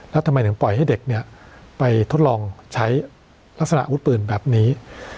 แล้วทำไมถึงปล่อยให้เด็กไปทดลองใช้ลักษณะอาวุธปืนแบบนี้